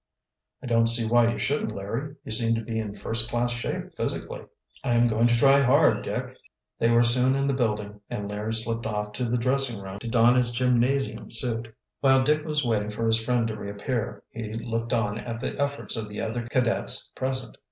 "I don't see why you shouldn't, Larry. You seem to be in first class shape physically." "I am going to try hard, Dick." They were soon in the building, and Larry slipped off to the dressing room to don his gymnasium suit. While Dick was waiting for his friend to reappear he looked on at the efforts of the other cadets present.